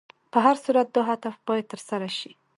په هر صورت دا هدف باید تر سره شي.